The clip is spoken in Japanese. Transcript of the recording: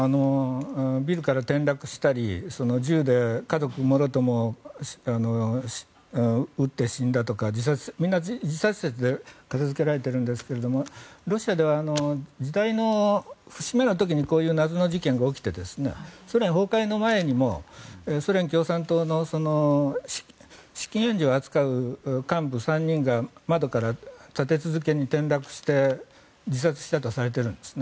ビルから転落したり銃で家族もろとも撃って死んだとかみんな自殺説で片付けられているんですがロシアでは時代の節目の時にこういう謎の事件が起きてソ連崩壊の前にもソ連共産党の資金援助を扱う幹部３人が窓から立て続けに転落して自殺したとされてるんです。